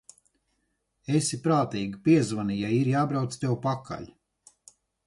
Esi prātīga, piezvani, ja ir jābrauc tev pakaļ.